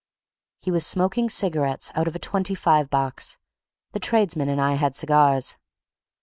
_" He was smoking cigarettes out of a twenty five box; the tradesman and I had cigars.